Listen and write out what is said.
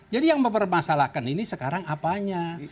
jadi yang mempermasalahkan ini sekarang apanya